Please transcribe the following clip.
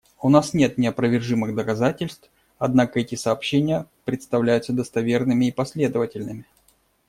У нас нет неопровержимых доказательств, однако эти сообщения представляются достоверными и последовательными.